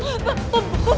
salam salam pak salam